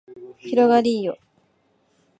広がりーよ